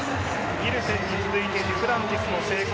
ニルセンに続いてデュプランティスも成功